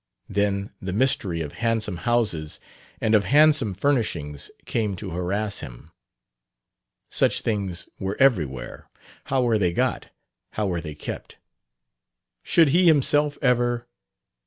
Then the mystery of handsome houses and of handsome furnishings came to harass him. Such things were everywhere: how were they got, how were they kept? Should he himself ever